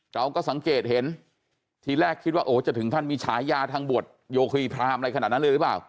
เราก็สังเกตเห็นทีแรกคิดว่าโอ้จะถึงขั้นมีฉายาทางบวชโยครีพรามอะไรขนาดนั้นเลยหรือเปล่า